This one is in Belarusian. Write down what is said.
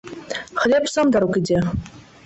Хлеб сам да рук ідзе.